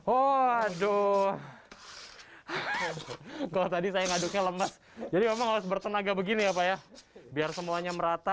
oh aduh kok tadi saya ngaduknya lemas jadi memang harus bertenaga begini apa ya biar semuanya merata